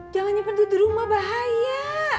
jangan nyimpen duit di rumah bahaya